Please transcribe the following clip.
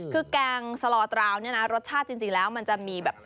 คือแกงสลอตราวเนี่ยนะรสชาติจริงแล้วมันจะมีแบบ